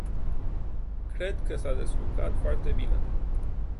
Cred că s-a descurcat foarte bine.